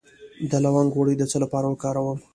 د لونګ غوړي د څه لپاره وکاروم؟